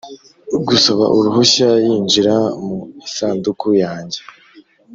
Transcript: gusaba uruhushya yinjira mu isanduku yanjye